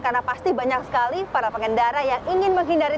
karena pasti banyak sekali para pengendara yang ingin menghindari